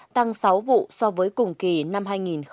tăng sáu vụ so với cùng kỳ năm hai nghìn một mươi chín